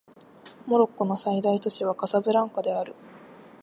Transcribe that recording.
モロッコの最大都市はカサブランカである